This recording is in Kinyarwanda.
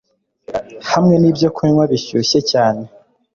hamwe nibyokunywa bishyushye cyane